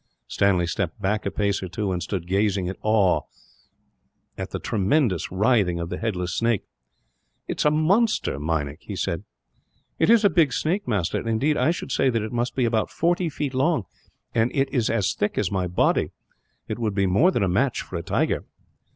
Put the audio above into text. Stanley stepped back a pace or two, and stood gazing in awe at the tremendous writhing of the headless snake. "It is a monster, Meinik," he said. "It is a big snake, master. Indeed, I should say that it must be about forty feet long, and it is as thick as my body. It would be more than a match for a tiger."